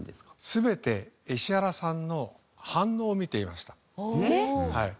全て石原さんの反応を見ていました。